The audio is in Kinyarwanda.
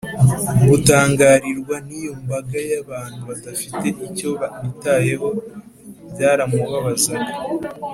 gutangarirwa n’iyo mbaga y’abantu badafite icyo bitayeho byaramubabazaga